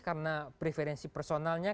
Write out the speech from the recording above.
karena preferensi personalnya